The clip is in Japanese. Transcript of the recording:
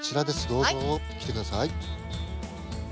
どうぞ。来て下さい。